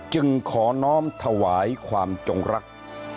จึงขอน้อมถวายความจงรัก